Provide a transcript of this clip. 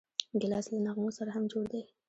ګیلاس له نغمو سره هم جوړ دی.